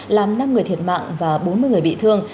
làm năm người thiệt mạng và bốn mươi người bị thương